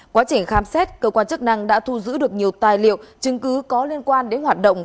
quá trình khám xét cơ quan chức năng đã thu giữ được nhiều tài liệu chứng cứ có liên quan đến hoạt động